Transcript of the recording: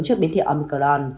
cho biến thiệu omicron